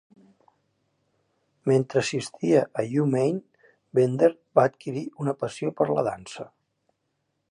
Mentre assistia a U-Maine, Bender va adquirir una passió per la dansa.